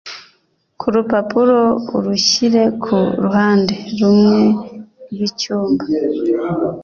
kurupapuro urushyire ku ruhande rumwe rw'icyumba